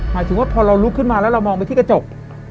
หมายถึงว่าพอเราลุกขึ้นมาแล้วเรามองไปที่กระจก